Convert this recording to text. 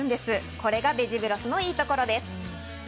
これがベジブロスのいいところです。